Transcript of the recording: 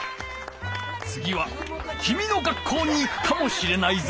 つぎはきみの学校に行くかもしれないぞ。